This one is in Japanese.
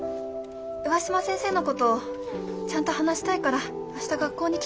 上嶋先生のことちゃんと話したいから明日学校に来てくれる？